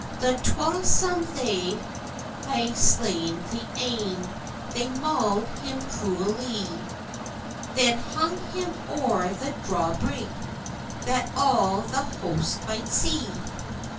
The twa some they ha'e slayne the ane, They maul'd him cruellie; Then hung him over the draw brig, That all the host might see.